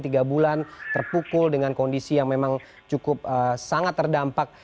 tiga bulan terpukul dengan kondisi yang memang cukup sangat terdampak